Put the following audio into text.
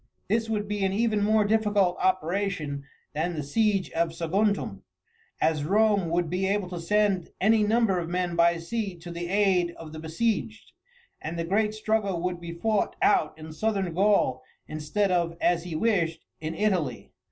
This would be an even more difficult operation than the siege of Saguntum, as Rome would be able to send any number of men by sea to the aid of the besieged, and the great struggle would be fought out in Southern Gaul instead of, as he wished, in Italy.